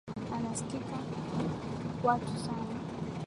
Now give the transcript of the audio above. Anasikiliza watu sana